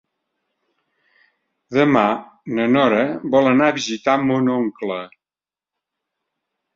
Demà na Nora vol anar a visitar mon oncle.